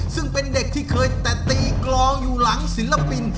ซึ่งเป็นเด็กที่เคยแต่ตีกรองอยู่หลังศิลปิน